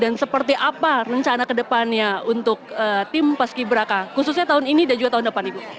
apa rencana kedepannya untuk tim paski braka khususnya tahun ini dan juga tahun depan ibu